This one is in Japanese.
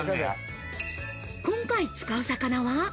今回使う魚は？